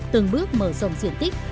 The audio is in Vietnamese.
từng bước mở rộng diện tích